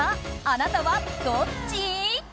あなたはどっち？